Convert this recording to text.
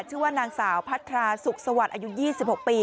ชื่อนางสาวพัทราสุขสวรรค์อายุ๒๖ปี